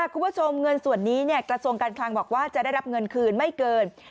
คุณผู้ชมเงินส่วนนี้กระทรวงการคลังบอกว่าจะได้รับเงินคืนไม่เกิน